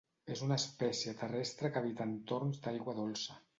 És una espècie terrestre que habita entorns d'aigua dolça.